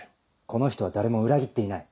この人は誰も裏切っていない。